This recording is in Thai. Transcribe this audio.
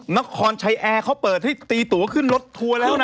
น้องคอนใช้แอร์เขาเปิดที่ตีตัวขึ้นรถทัวร์แล้วนะ